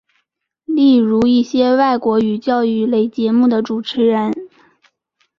例如一些外国语教育类节目的主持人。